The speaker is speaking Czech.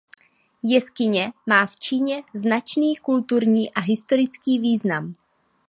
Jeskyně má v Číně značný kulturní a historický význam.